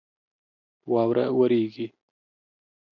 واوره وریږي